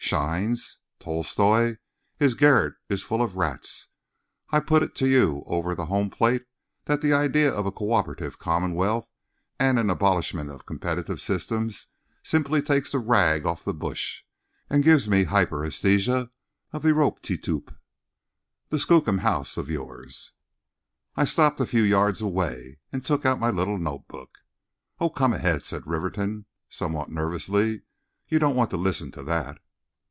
—shines! Tolstoi?—his garret is full of rats. I put it to you over the home plate that the idea of a cooperative commonwealth and an abolishment of competitive systems simply takes the rag off the bush and gives me hyperesthesia of the roopteetoop! The skookum house for yours!" I stopped a few yards away and took out my little notebook. "Oh, come ahead," said Rivington, somewhat nervously; "you don't want to listen to that."